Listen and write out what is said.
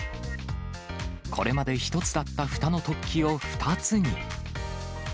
これまで１つだったフタの突起を２つに。